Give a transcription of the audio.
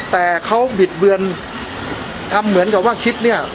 แต่เขาบิดเบือนทำเหมือนกับว่าคิดเนี่ย